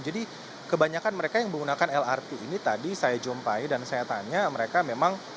jadi kebanyakan mereka yang menggunakan lrt ini tadi saya jumpai dan saya tanya mereka memang